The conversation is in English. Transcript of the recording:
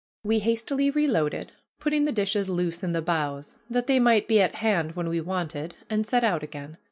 We hastily reloaded, putting the dishes loose in the bows, that they might be at hand when wanted, and set out again.